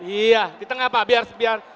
iya di tengah pak